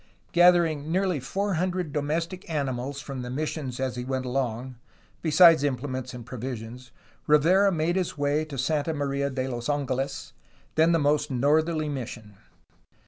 Gathering nearly four hundred domestic animals from the missions as he went along, besides implements and provisions, Rivera made his way to Santa Maria de los Angeles, then the most northerly mission.